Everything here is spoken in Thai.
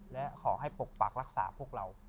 และขอให้ปกปักรักษาพวกเรา